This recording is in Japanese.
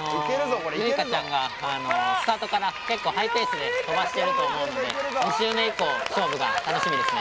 結花ちゃんがスタートから結構ハイペースで飛ばしてると思うので２周目以降勝負が楽しみですね